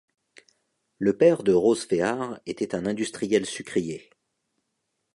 Le père de Rose Féart était un industriel sucrier.